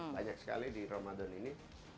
banyak sekali di ramadan ini